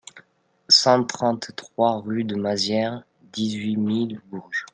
cent trente-trois rue de Mazières, dix-huit mille Bourges